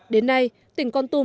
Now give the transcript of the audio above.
đến nay tỉnh con tum